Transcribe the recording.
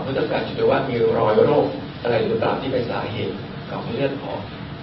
จากการจะไปว่ามีรอยโรคอะไรหรือเปล่าที่เป็นสาเหตุของเลือดออก